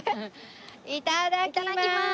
いただきます。